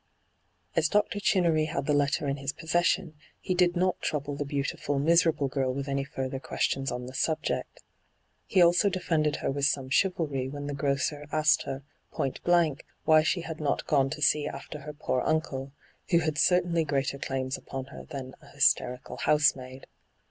As Dr. Chinnery had the letter in his possesion, he did not trouble the beautiful, miserable girl with any further questions on the subject. He also defended her with some chivalry when the grocer asked her, point blank, why she had not gone to see after her poor uncle, who had certainly hyGoogIc 74 ENTRAPPED greater claims upon her than a hysterical housemaid.